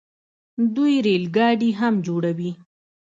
دوی ریل ګاډي هم جوړوي.